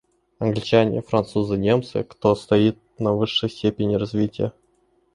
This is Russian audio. Англичане, Французы, Немцы — кто стоит на высшей степени развития?